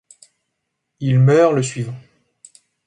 Il meurt le suivant.